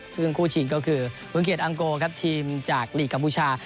ซึ่งคู่ชิงก็คือเมืองเกียจอังโกครับทีมจากลีกกัมพูชา